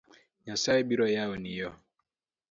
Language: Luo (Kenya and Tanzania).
Nyasaye biro yawoni yo